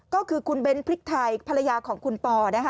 ก็คือคุณเบ้นพริกไทยภรรยาของคุณปอนะคะ